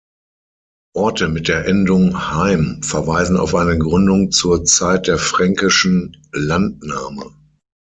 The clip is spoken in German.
Orte mit der Endung –heim verweisen auf eine Gründung zur Zeit der Fränkischen Landnahme.